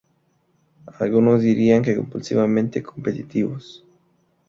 Algunos dirían que compulsivamente competitivos.